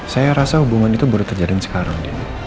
saya rasa hubungan itu baru terjaring sekarang